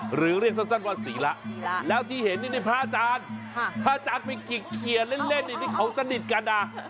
หรือเรียกสั้นว่าศรีละแล้วที่เห็นนี่พระอาจารย์พระอาจารย์ไปขีกเกียร์เล่นที่เขาสนิทกันนะ